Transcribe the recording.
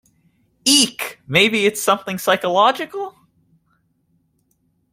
Eek! Maybe it’s something psychological?